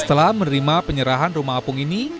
setelah menerima penyerahan rumah apung ini